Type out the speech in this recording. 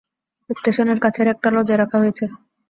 স্টেশনের কাছের একটা লজে রাখা হয়েছে।